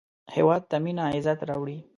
هېواد ته مینه عزت راوړي